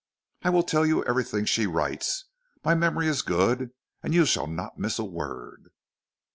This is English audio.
"I will tell you everything she writes. My memory is good, and you shall not miss a word."